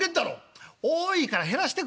「多いから減らしてくれ」。